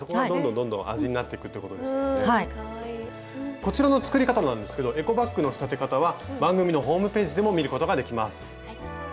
こちらの作り方なんですけどエコバッグの仕立て方は番組のホームページでも見ることができます。